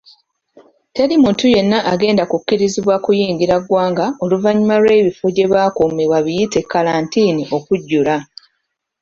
Teri muntu yenna agenda kukkirizibwa kuyingira ggwanga oluvannyuma lw'ebifo gye bakuumibwa biyite 'kalantiini' okujjula.